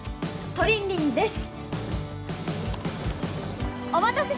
トリンリンです